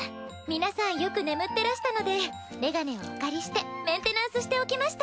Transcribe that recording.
皆さんよく眠ってらしたのでメガネをお借りしてメンテナンスしておきました。